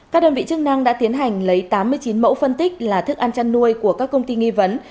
các đơn vị chức năng đã tiến hành lấy tám mươi chín mẫu phân tích là thức ăn chăn nuôi của các công ty nghi vấn